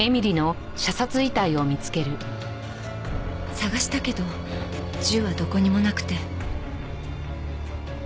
捜したけど銃はどこにもなくて。